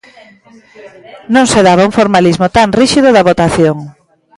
Non se daba un formalismo tan ríxido da votación.